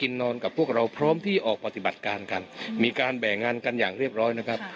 นอนกับพวกเราพร้อมที่ออกปฏิบัติการกันมีการแบ่งงานกันอย่างเรียบร้อยนะครับ